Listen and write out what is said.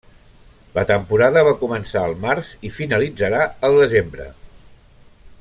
La temporada va començar al març i finalitzarà al desembre.